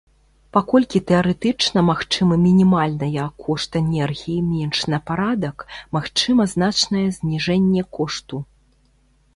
Паколькі тэарэтычна магчымы мінімальная кошт энергіі менш на парадак, магчыма значнае зніжэнне кошту.